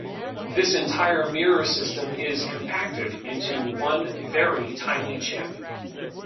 This entire mirror system is compacted into one very tiny chip.